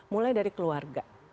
mulai dari keluarga